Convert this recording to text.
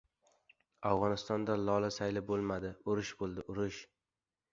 — Afg‘onistonda lola sayli bo‘lmadi, urush bo‘ldi, urush!